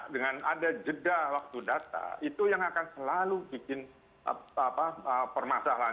dengan ada jeda waktu data itu yang akan selalu bikin permasalahan